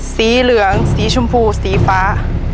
สีเหลืองสีชมพูสีฟ้า